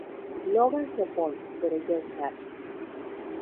Logan se opone, pero ya es tarde.